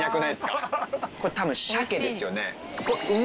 多分鮭ですよね。